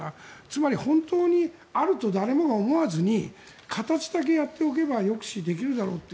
つまり、本当にあると誰もが思わずに形だけやっておけば抑止できるだろうと。